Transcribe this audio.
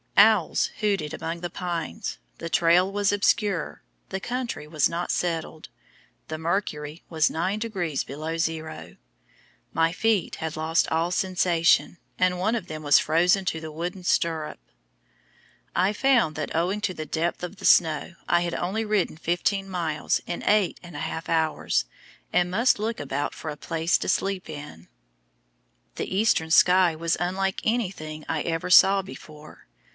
Owls hooted among the pines, the trail was obscure, the country was not settled, the mercury was 9 degrees below zero, my feet had lost all sensation, and one of them was frozen to the wooden stirrup. I found that owing to the depth of the snow I had only ridden fifteen miles in eight and a half hours, and must look about for a place to sleep in. The eastern sky was unlike anything I ever saw before.